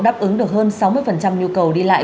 đáp ứng được hơn sáu mươi nhu cầu đi lại